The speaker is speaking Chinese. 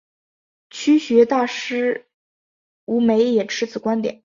曲学大师吴梅也持此观点。